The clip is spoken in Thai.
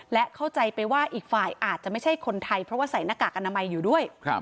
และเข้าใจไปว่าอีกฝ่ายอาจจะไม่ใช่คนไทยเพราะว่าใส่หน้ากากอนามัยอยู่ด้วย